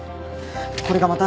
これがまた。